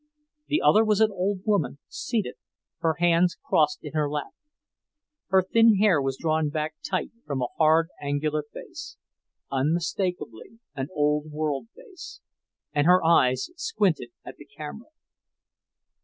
The other was an old woman, seated, her hands crossed in her lap. Her thin hair was drawn back tight from a hard, angular face unmistakably an Old World face and her eyes squinted at the camera.